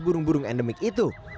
burung burung endemik itu